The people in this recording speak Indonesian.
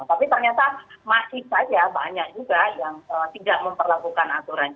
tapi ternyata masih saja banyak juga yang tidak memperlakukan aturan